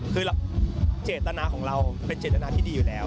คือเจตนาของเราเป็นเจตนาที่ดีอยู่แล้ว